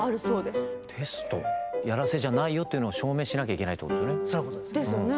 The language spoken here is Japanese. やらせじゃないよっていうのを証明しなきゃいけないってことですよね。